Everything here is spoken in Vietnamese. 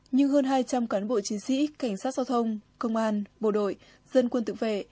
như hơn hai trăm linh cán bộ chiến sĩ cảnh sát giao thông công an bộ đội dân quân tự vệ